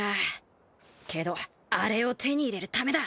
けどあれを手に入れるためだ。